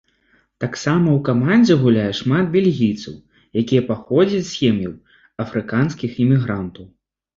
Таксама ў камандзе гуляе шмат бельгійцаў, які паходзяць з сем'яў афрыканскіх імігрантаў.